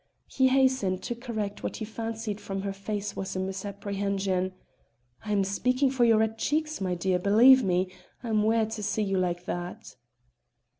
He hastened to correct what he fancied from her face was a misapprehension. "I am speaking for your red cheeks, my dear, believe me; I'm wae to see you like that."